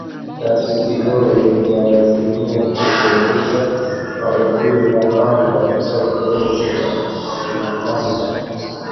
Utafiti huu uliazimia kuchunguza maudhui na fani katika Utenzi wa Mwanamanga